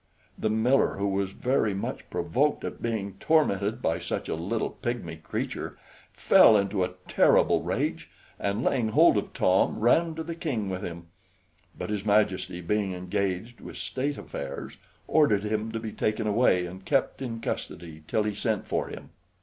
The miller, who was very much provoked at being tormented by such a little pigmy creature, fell into a terrible rage, and, laying hold of Tom, ran to the King with him; but his Majesty, being engaged with state affairs, ordered him to be taken away, and kept in custody till he sent for him.